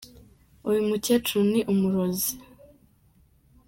Uyu mukecuru ni umurozi.